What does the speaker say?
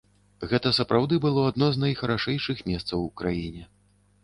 Гэта сапраўды было адно з найхарашэйшых месцаў у краіне.